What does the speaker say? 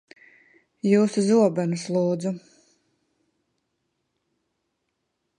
Jūsu zobenus, lūdzu.